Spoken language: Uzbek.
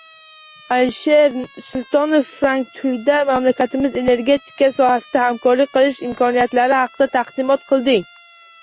Alisher Sultonov Frankfurtda mamlakatimiz energetika sohasida hamkorlik qilish imkoniyatlari haqida taqdimot qilding